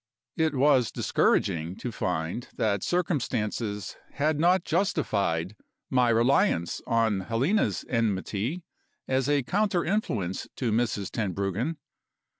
It was discouraging to find that circumstances had not justified my reliance on Helena's enmity as a counter influence to Mrs. Tenbruggen.